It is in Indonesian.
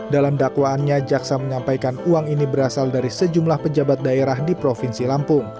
dalam dakwaannya jaksa menyampaikan uang ini berasal dari sejumlah pejabat daerah di provinsi lampung